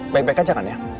baik baik aja kan ya